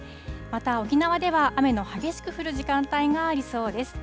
また沖縄では雨の激しく降る時間帯がありそうです。